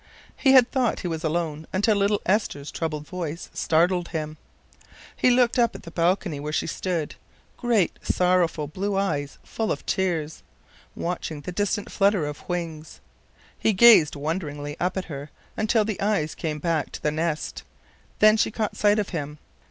He had thought he was alone until little Esther's troubled voice startled him. He looked up at the balcony where she stood, great sorrowful blue eyes full of tears, watching the distant flutter of wings. He gazed wonderingly up at her until the eyes came back to the nest; then she caught sight of him.